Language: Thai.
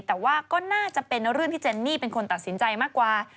แต่ว่าก็น่าจะเป็นเรื่องที่เจนนี่เป็นคนตัดสินใจมากกว่า